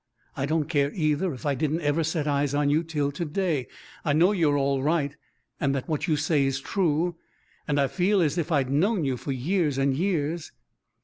I don't care, either, if I didn't ever set eyes on you till to day I know you're all right and that what you say's true. And I feel as if I'd known you for years and years."